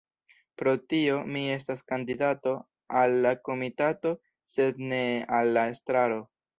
Pro tio mi estas kandidato al la komitato sed ne al la estraro.